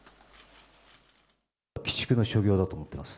鬼畜の所業だと思っています。